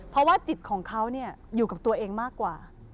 เพราะว่าจิตของเขาอยู่กับตัวเองมากกว่า